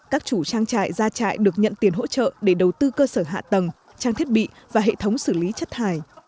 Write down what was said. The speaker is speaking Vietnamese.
các chủ trang trại gia trại được nhận tiền hỗ trợ để đầu tư cơ sở hạ tầng trang thiết bị và hệ thống xử lý chất thải